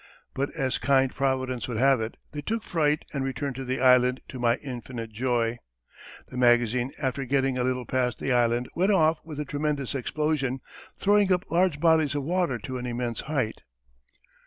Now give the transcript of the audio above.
But as kind providence would have it they took fright and returned to the Island to my infinite joy.... The magazine after getting a little past the Island went off with a tremendous explosion, throwing up large bodies of water to an immense height.